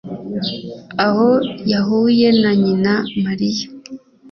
aho yahuye na nyina Mariya